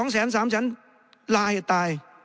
๒แสน๓แสนลายตาย